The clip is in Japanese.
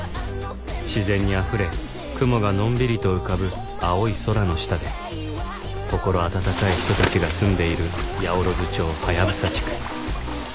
自然にあふれ雲がのんびりと浮かぶ青い空の下で心温かい人たちが住んでいる八百万町ハヤブサ地区